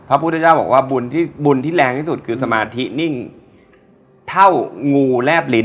พระพุทธเจ้าบอกว่าบุญที่บุญที่แรงที่สุดคือสมาธินิ่งเท่างูแลบลิ้น